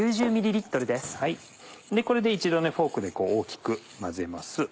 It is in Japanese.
これで一度フォークで大きく混ぜます。